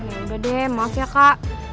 ya udah deh maaf ya kak